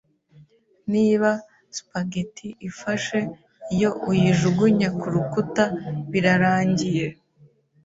Niba spaghetti ifashe iyo uyijugunye kurukuta, birarangiye.